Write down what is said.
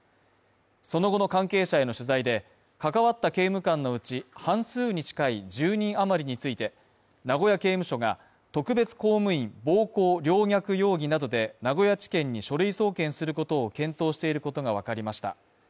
その後の関係者への取材で関わった刑務官のうち半数に近い１０人余りについて、名古屋刑務所が、特別公務員暴行陵虐容疑などで名古屋地検に書類送検することを検討していることがわかりました。